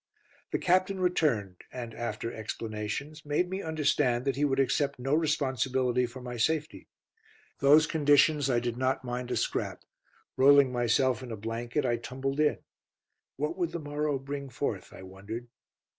The Captain returned and, after explanations, made me understand that he would accept no responsibility for my safety. Those conditions I did not mind a scrap. Rolling myself in a blanket, I tumbled in. "What would the morrow bring forth?" I wondered.